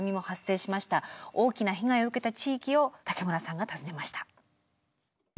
大きな被害を受けた地域を武村さんが訪ねました。